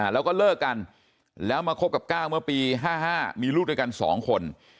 แล้วก็เลิกกันแล้วมาคบกับก้าวเมื่อปี๕๕มีลูกด้วยกัน๒คน